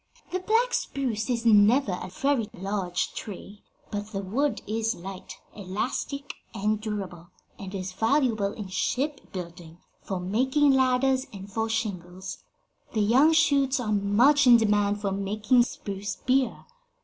The black spruce is never a very large tree, but the wood is light, elastic and durable, and is valuable in shipbuilding, for making ladders and for shingles. The young shoots are much in demand for making spruce beer.